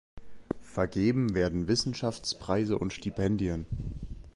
Vergeben werden Wissenschaftspreise und Stipendien.